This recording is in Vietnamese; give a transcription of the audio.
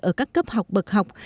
ở các cấp học bậc học